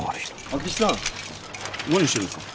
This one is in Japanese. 明智さん何してるんですか？